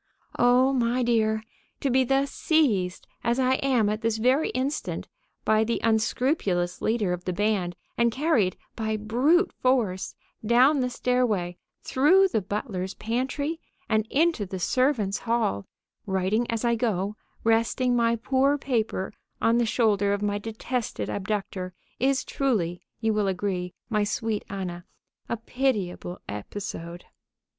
O my dear! To be thus seized, as I am at this very instant, by the unscrupulous leader of the band and carried, by brute force, down the stairway through the butler's pantry and into the servants' hall, writing as I go, resting my poor paper on the shoulder of my detested abductor, is truly, you will agree, my sweet Anna, a pitiable episode.